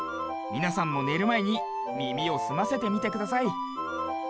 みなさんもねるまえにみみをすませてみてください。